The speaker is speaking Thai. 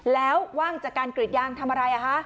แล้วว่างจากการกรีดยางทำอะไร